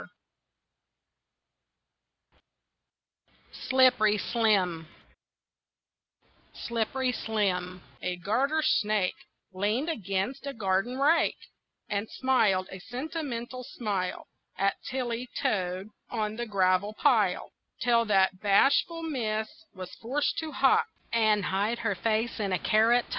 SLIPPERY SLIM Slippery Slim, a garter snake, Leaned against a garden rake And smiled a sentimental smile At Tilly Toad, on the gravel pile, Till that bashful miss was forced to hop And hide her face in a carrot top.